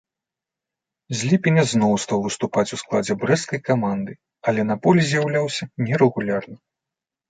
З ліпеня зноў стаў выступаць у складзе брэсцкай каманды, але на полі з'яўляўся нерэгулярна.